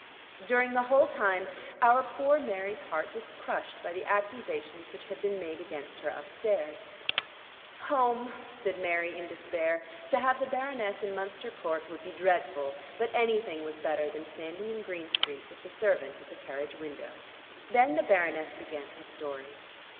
During the whole time our poor Mary's heart was crushed by the accusations which had been made against her upstairs. "Home," said Mary in despair. To have the Baroness in Munster Court would be dreadful; but anything was better than standing in Green Street with the servant at the carriage window. Then the Baroness began her story.